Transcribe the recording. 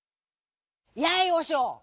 「やいおしょう！